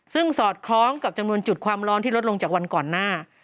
ซึ่งสอดคล้องกับจำนวนจุดความร้อนที่ลดลงจากวันก่อนหน้า